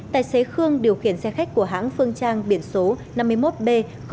tài xế khương điều khiển xe khách của hãng phương trang biển số năm mươi một b bốn nghìn một trăm hai mươi sáu